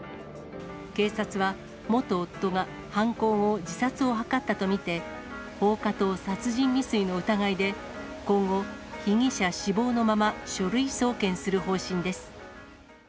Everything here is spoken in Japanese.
警察は、元夫が犯行後、自殺を図ったと見て、放火と殺人未遂の疑いで、今後、被疑者死亡のまま書類送検する方針です。